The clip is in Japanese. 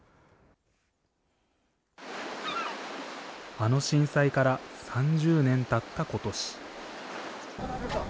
あの震災から３０年たったことし。